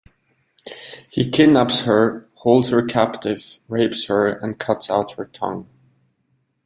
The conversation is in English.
He kidnaps her, holds her captive, rapes her, and cuts out her tongue.